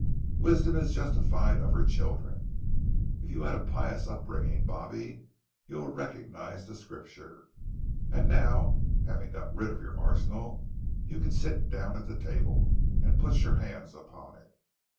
"'Wisdom is justified of her children.' If you had a pious upbringing, bobby, you will recognize the Scripture. And now having got rid of your arsenal, you can sit down at the table, and put your hands upon it.